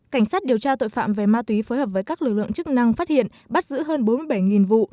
cảnh sát điều tra tội phạm về ma túy phối hợp với các lực lượng chức năng phát hiện bắt giữ hơn bốn mươi bảy vụ